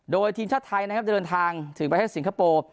โดยทีมชาติไทยนะครับจะเดินทางถึงประเทศสิงคโปร์